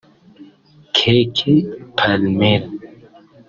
Keke Palmer